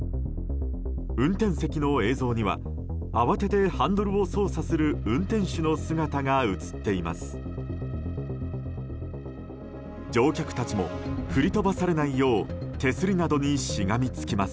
運転席の映像には慌ててハンドルを操作する運転手の姿が映っています。